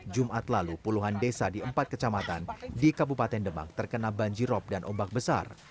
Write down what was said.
jumat lalu puluhan desa di empat kecamatan di kabupaten demak terkena banjirop dan ombak besar